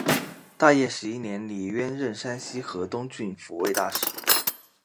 大业十一年李渊任山西河东郡慰抚大使。